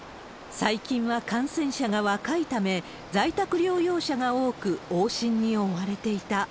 最近は感染者が若いため、在宅療養者が多く、往診に追われていた。